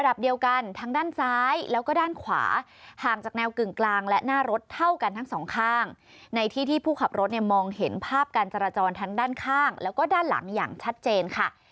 เกี่ยวกันทั้งสองข้างในที่ที่ผู้ขับรถเนี่ยมองเห็นภาพการจราจรทั้งด้านข้างและก็ด้านหลังอย่างชัดเจนค่ะ